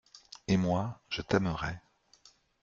Et moi, je t’aimerai.